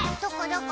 どこ？